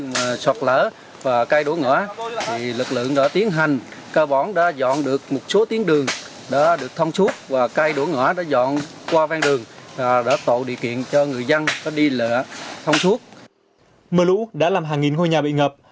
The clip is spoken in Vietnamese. mưa lũ đã làm hàng nghìn ngôi nhà bị ngập